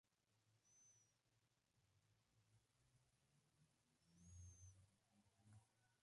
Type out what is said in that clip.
Se puede manipular en áreas cerradas o de maniobras complejas.